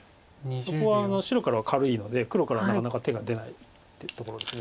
そこは白からは軽いので黒からはなかなか手が出ないっていうところです